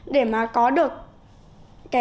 để mà có được bài bản này